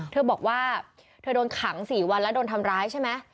เธอบอกว่าเธอโดนขัง๔วันแล้วโดนทำร้ายใช่ไหม